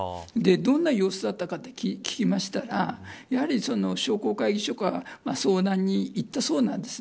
どんな様子だったかと聞きましたらやはり、商工会議所などに相談に行ったそうなんです。